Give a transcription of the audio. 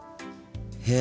へえ。